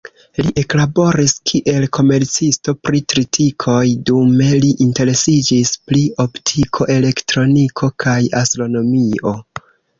Li eklaboris, kiel komercisto pri tritikoj, dume li interesiĝis pri optiko, elektroniko kaj astronomio.